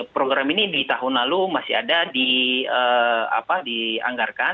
program ini di tahun lalu masih ada dianggarkan